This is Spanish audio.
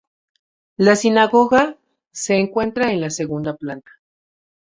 La sinagoga se encuentra en la segunda planta.